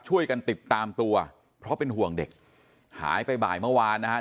ช่วยกันติดตามตัวเพราะเป็นห่วงเด็กหายไปบ่ายเมื่อวานนะฮะ